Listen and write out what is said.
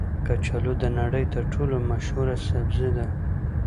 کچالو د نړۍ تر ټولو مشهوره سبزي ده